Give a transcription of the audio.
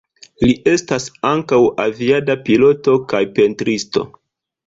Li estas ankaŭ aviada piloto kaj pentristo.